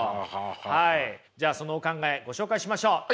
はいじゃあそのお考えご紹介しましょう。